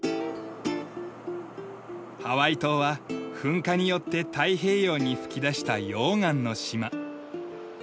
ハワイ島は噴火によって太平洋に噴き出した溶岩の島。